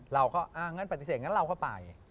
เราก็อ่างั้นปฏิเสธงั้นเราก็ไป